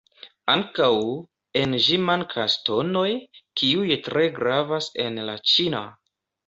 Ankaŭ, en ĝi mankas tonoj, kiuj tre gravas en la ĉina.